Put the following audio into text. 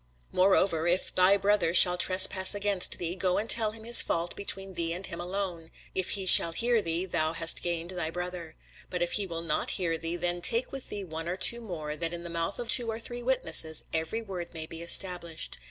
Moreover if thy brother shall trespass against thee, go and tell him his fault between thee and him alone: if he shall hear thee, thou hast gained thy brother. But if he will not hear thee, then take with thee one or two more, that in the mouth of two or three witnesses every word may be established.